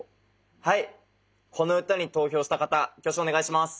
はいこの歌に投票した方挙手お願いします。